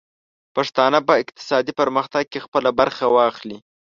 پښتانه بايد په اقتصادي پرمختګ کې خپله برخه واخلي.